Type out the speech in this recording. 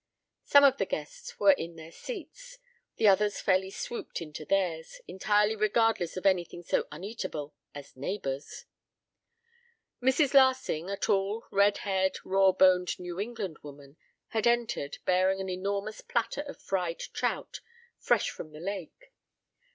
Some of the guests were in their seats. The others fairly swooped into theirs, entirely regardless of anything so uneatable as neighbors. Mrs. Larsing, a tall, red haired, raw boned New England woman, had entered, bearing an enormous platter of fried trout, fresh from the lake.